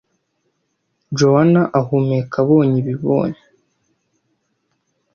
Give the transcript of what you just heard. Joan ahumeka abonye ibibonye.